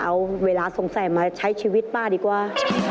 เอาเวลาสงสัยมาใช้ชีวิตป้าดีกว่า